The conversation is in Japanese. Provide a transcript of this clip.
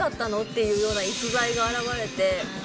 いうような逸材が現れて。